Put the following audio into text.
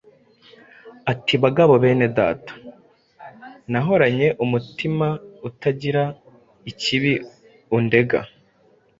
ati: ‘Bagabo bene Data, nahoranye umutima utagira ikibi undega